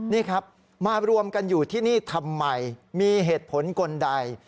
นี่ครับมารวมกันอยู่ที่นี่ทำไมมีเหตุผลคนใด